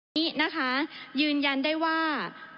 นี้นะคะยืนยันได้ว่า